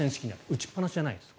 打ちっぱなしじゃないです